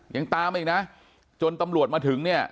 ยังตามอีกนะจนตำรวจมาถึงเนี่ย